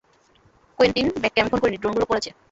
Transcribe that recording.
Quentin বেককে আমি খুন করিনি, ড্রোনগুলো করেছে।